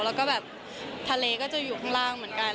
แล้วก็แบบทะเลก็จะอยู่ข้างล่างเหมือนกัน